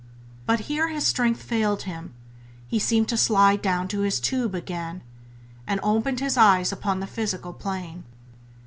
But here his strength failed him; he seemed to slide down to his tube again, and opened his eyes upon the physical plane.